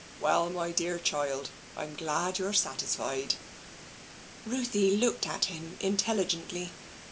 Well, my dearr child, I'm glad you're satisfied." Ruthie looked at him intelligently.